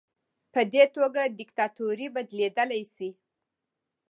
په دې توګه دیکتاتوري بدلیدلی شي.